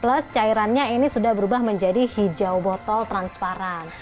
plus cairannya ini sudah berubah menjadi hijau botol transparan